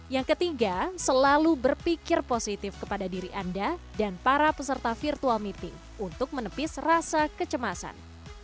yang ketiga selalu berpikir positif kepada diri anda dan para peserta virtual meeting untuk menepis rasa kecemasan